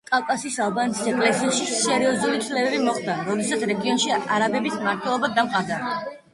კავკასიის ალბანეთის ეკლესიაში სერიოზული ცვლილებები მოხდა როდესაც რეგიონში არაბების მმართველობა დამყარდა.